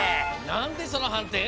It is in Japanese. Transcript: なんでそのはんてい？